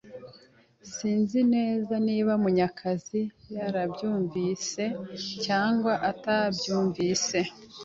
Sinzi neza niba Munyakazi yarabyumvise cyangwa atabyumvise.